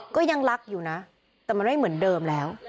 ก็ยังรักอยู่นะแต่มันไม่เหมือนเดิมแล้ว